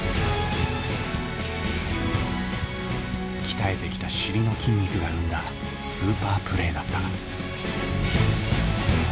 鍛えてきた尻の筋肉が生んだスーパープレーだった。